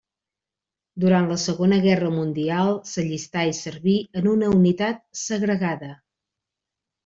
Durant la Segona Guerra Mundial s’allistà i serví en una unitat segregada.